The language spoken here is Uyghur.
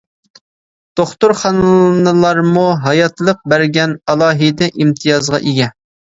دوختۇرخانىلارمۇ ھاياتلىق بەرگەن ئالاھىدە ئىمتىيازغا ئىگە.